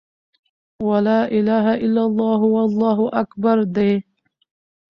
وَلَا إِلَهَ إلَّا اللهُ، وَاللهُ أكْبَرُ دي .